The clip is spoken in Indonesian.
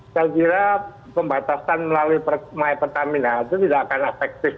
saya kira pembatasan melalui mypertamina itu tidak akan efektif